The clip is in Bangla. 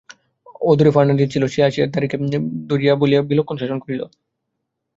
অদূরে ফর্নাণ্ডিজ ছিল, যে আসিয়া দ্বারীকে ধরিয়া বিলক্ষণ শাসন করিল।